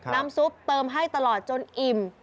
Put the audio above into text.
น้ำซุปเติมให้ตลอดจนอิ่ม